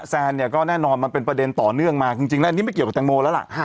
แซนเนี่ยก็แน่นอนมันเป็นประเด็นต่อเนื่องมาจริงแล้วอันนี้ไม่เกี่ยวกับแตงโมแล้วล่ะ